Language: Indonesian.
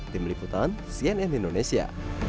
tim liputan cnn indonesia